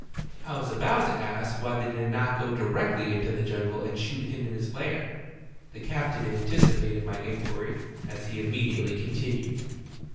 I was about to ask why they did not go directly into the jungle and shoot him in his lair. The captain anticipated my inquiry, as he imme diately continued